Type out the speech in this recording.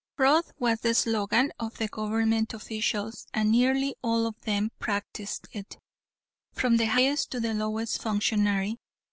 Fraud was the slogan of the government officials and nearly all of them practiced it, from the highest to the lowest functionary.